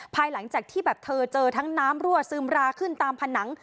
ภายหลังจากที่แบบเธอเจอทั้งน้ำรั่วซึมราขึ้นตามผนัง